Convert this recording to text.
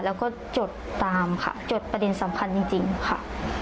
แล้วก็จดตามค่ะจดประเด็นสำคัญจริงค่ะ